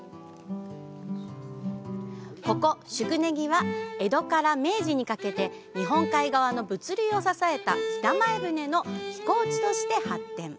ここ宿根木は、江戸から明治にかけて日本海側の物流を支えた北前船の寄港地として発展。